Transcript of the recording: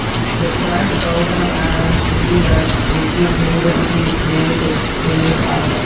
The Frank Dawson Adams Building at McGill University is named in his honor.